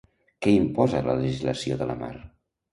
Què imposa la legislació de la mar?